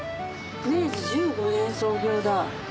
明治１５年創業だ。